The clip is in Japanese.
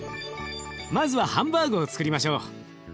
まずはハンバーグをつくりましょう。